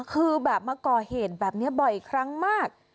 คือแบบมาก่อเหตุแบบนี้บ่อยครั้งมาก